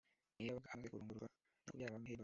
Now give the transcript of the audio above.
iyo yabaga amaze kurongorwa no kubyara baramuhembaga